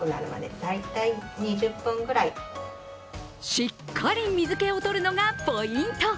しっかり水けを取るのがポイント。